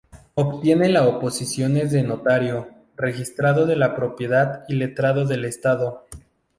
Obtiene la oposiciones de notario, registrador de la propiedad y letrado del Estado.